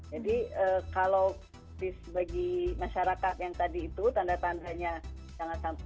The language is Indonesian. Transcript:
kalau bagi masyarakat yang tadi itu tanda tandanya sangat